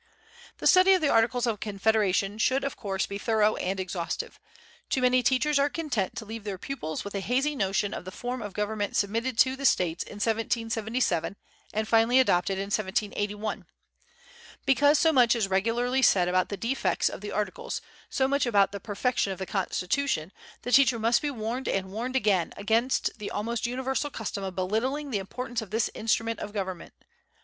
The study of the Articles of Confederation should, of course, be thorough and exhaustive. Too many teachers are content to leave their pupils with a hazy notion of the form of government submitted to the States in 1777 and finally adopted in 1781. Because so much is regularly said about the defects of the Articles, so much about the perfection of the Constitution, the teacher must be warned and warned again against the almost universal custom of belittling the importance of this instrument of government.